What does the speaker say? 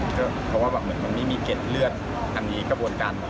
เพราะว่ามันไม่มีเก็ดเลือดอันนี้กระบวนการหมอ